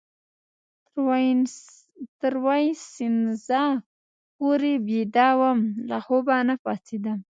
تر وایسینزا پورې بیده وم، له خوبه نه پاڅېدم.